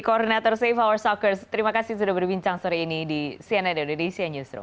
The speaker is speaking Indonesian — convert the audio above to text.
koordinator save our soccer terima kasih sudah berbincang sore ini di cnn edu di cn newsroom